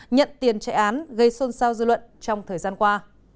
nhận tiền chạy án gây xôn xao dư luận trong thời gian qua